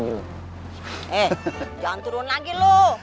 jangan jalan lagi lu